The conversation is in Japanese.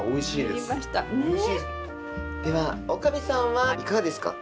では女将さんはいかがですか？